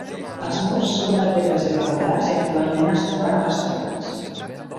Els murs són de pedres irregulars i actualment es troben restaurants.